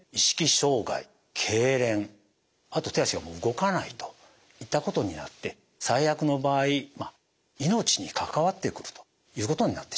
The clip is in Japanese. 障害けいれんあと手足が動かないといったことになって最悪の場合命に関わってくるということになってしまいます。